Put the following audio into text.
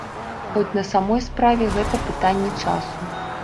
Хоць, на самой справе, гэта пытанне часу.